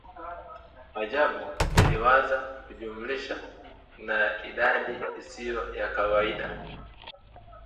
Ajabu niliwaza kujumlisha na idadi isiyo ya kawaida